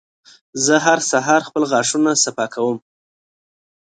زه هر سهار خپل غاښونه صفا کوم.